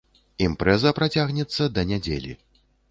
Імпрэза працягнецца да нядзелі.